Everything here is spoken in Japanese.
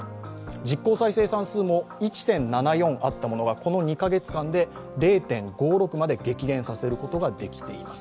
実効再生産数も１．７４あったものが、この２カ月間で０．５６まで激減させることができています。